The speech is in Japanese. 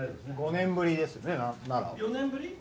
５年ぶりですよね。